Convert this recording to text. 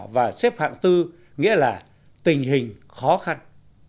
và xếp hạng bốn nghĩa là tình hình khó khăn